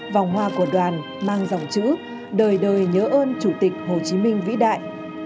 vòng hoa của đoàn mang dòng chữ đời đời nhớ ơn chủ tịch hồ chí minh vĩ đại